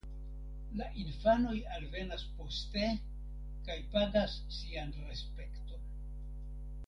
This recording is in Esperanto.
La infanoj alvenas poste kaj pagas sian respekton.